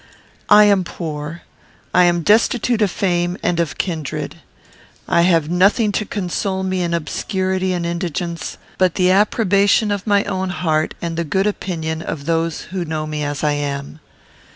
"I am poor. I am destitute of fame and of kindred. I have nothing to console me in obscurity and indigence, but the approbation of my own heart and the good opinion of those who know me as I am.